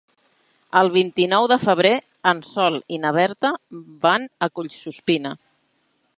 El vint-i-nou de febrer en Sol i na Berta van a Collsuspina.